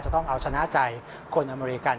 ต้องเอาชนะใจคนอเมริกัน